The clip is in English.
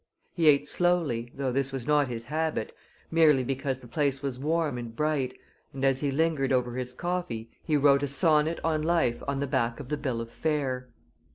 He ate slowly, though this was not his habit, merely because the place was warm and bright, and as he lingered over his coffee he wrote a sonnet on life on the back of the bill of fare.